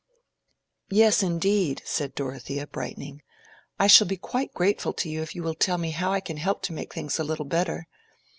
"Yes, indeed," said Dorothea, brightening. "I shall be quite grateful to you if you will tell me how I can help to make things a little better.